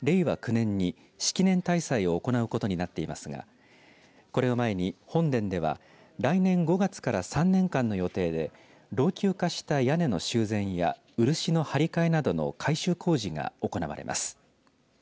９年に式年大祭を行うことになっていますがこれを前に、本殿では来年５月から３年間の予定で老朽化した屋根の修繕や漆の張り替えなどの改修工事が行われます。